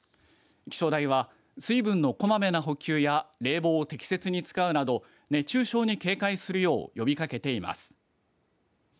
気象台は、水分のこまめな補給や冷房を適切に使うなど熱中症に警戒するよう呼びかけています。